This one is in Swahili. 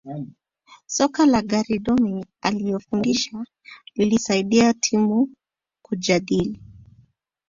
soka la guardiola analofundisha linasaidia timu kujilinda